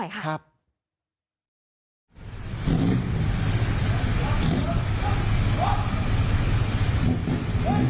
โอ้โหยิงกันสนั่นเมืองเลยคุณ